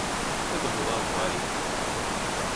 Это была Варенька.